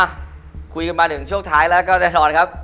อ่ะคุยกันมาถึงช่วงท้ายแล้วก็แน่นอนครับ